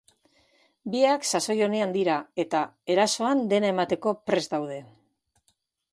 Biak sasoi onean dira eta erasoan dena emateko prest daude.